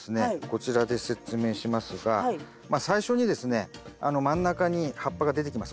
こちらで説明しますがまあ最初にですねあの真ん中に葉っぱが出てきます。